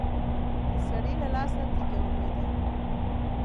د سړي له لاسه تېږه ولوېده.